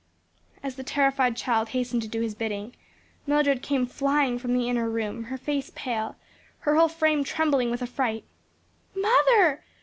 As the terrified child hastened to do his bidding, Mildred came flying from the inner room, her face pale, her whole frame trembling with affright. "Mother!"